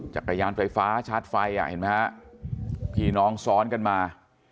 จักรยานไฟฟ้าชาร์จไฟอ่ะเห็นไหมฮะพี่น้องซ้อนกันมา